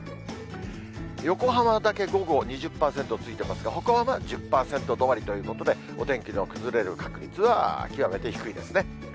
横浜だけ午後２０％ついてますが、ほかは１０％止まりということで、お天気の崩れる確率は極めて低いですね。